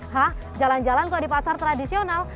hah jalan jalan kok di pasar tradisional